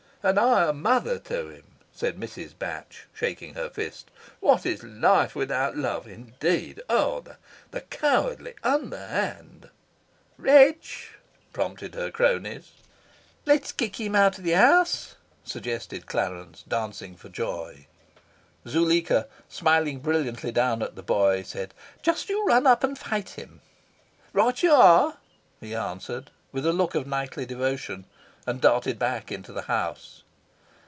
"And I a mother to him!" said Mrs. Batch, shaking her fist. "'What is life without love?' indeed! Oh, the cowardly, underhand " "Wretch," prompted her cronies. "Let's kick him out of the house!" suggested Clarence, dancing for joy. Zuleika, smiling brilliantly down at the boy, said "Just you run up and fight him!" "Right you are," he answered, with a look of knightly devotion, and darted back into the house.